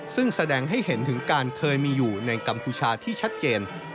ซึ่งแสดงให้เห็นถึงการเคยมีอยู่ในกัมพูชาที่ชัดเจน